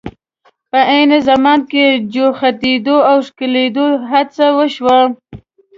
په عین زمان کې جوختېدو او ښکلېدو هڅه وشوه.